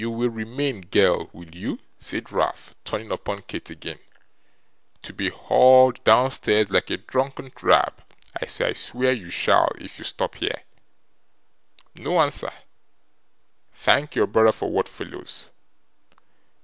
'You will remain, girl, will you?' said Ralph, turning upon Kate again, 'to be hauled downstairs like a drunken drab, as I swear you shall if you stop here? No answer! Thank your brother for what follows.